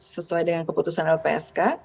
sesuai dengan keputusan lpsk